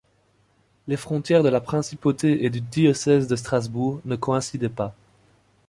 Les frontières de la principauté et du diocèse de Strasbourg ne coïncidaient pas.